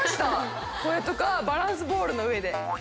これとかバランスボールの上で。